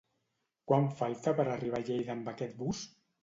Quant falta per arribar a Lleida amb aquest bus?